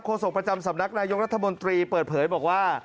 โศกประจำสำนักนายกรัฐมนตรีเปิดเผยบอกว่า